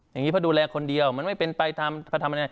อย่างนี้พระธรรมดูแลคนเดียวมันไม่เป็นปลายธรรม